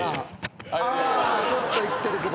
「ちょっといってるけど」